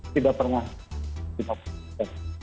tidak pernah di update